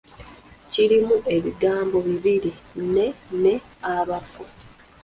Kirimu ebigambo bibiri ‘ne’ ne ‘abafu.’